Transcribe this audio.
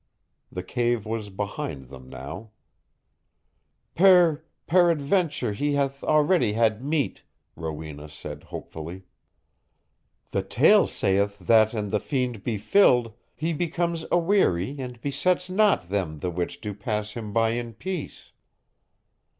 The cave was behind them now. "Per ... peradventure he hath already had meat," Rowena said hopefully. "The tale saith that and the fiend be filled, he becomes aweary and besets not them the which do pass him by in peace."